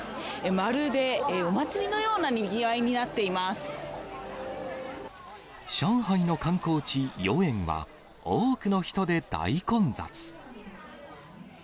まるでお祭りのようなにぎわいに上海の観光地、豫園は、多くの人で大混雑。